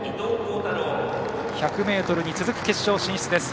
１００ｍに続く決勝進出です。